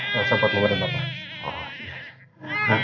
sahabatmu dan bapak